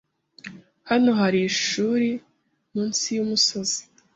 Hano hari ishuri munsi yumusozi.